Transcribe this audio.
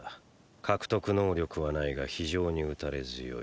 獲得能力はないが非常に打たれ強い。！